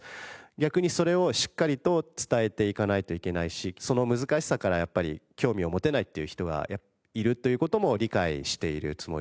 逆にそれをしっかりと伝えていかないといけないしその難しさからやっぱり興味を持てないっていう人がやっぱりいるという事も理解しているつもりです。